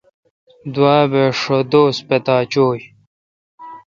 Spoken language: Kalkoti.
دوا بہ ݭہ دوس پتا چویں